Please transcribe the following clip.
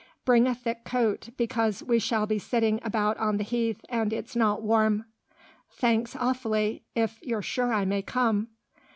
Bring a thick coat, because we shall be sitting about on the heath, and it's not warm." "Thanks awfully, if you're sure I may come."